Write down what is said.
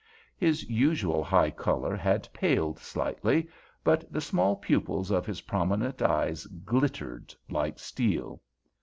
His usual high color had paled slightly, but the small pupils of his prominent eyes glittered like steel.